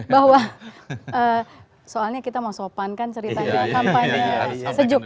bahwa soalnya kita mau sopan kan ceritanya kampanye sejuk